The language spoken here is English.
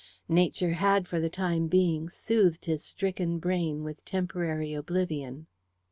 Nature had, for the time being, soothed his stricken brain with temporary oblivion.